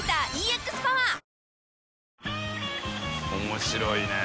面白いね。